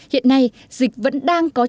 hiện nay dịch vẫn đang có triệu